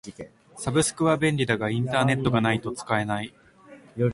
サブスクは便利だがインターネットがないと使えない。